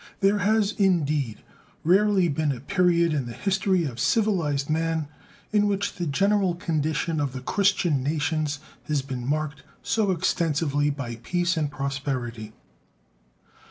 There has, indeed, rarely been a period in the history of civilized man in which the general condition of the Christian nations has been marked so extensively by peace and prosperity.